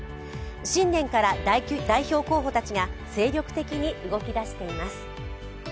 新年から代表候補たちが精力的に動き出しています。